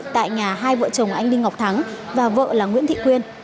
tại nhà hai vợ chồng anh đinh ngọc thắng và vợ là nguyễn thị quyên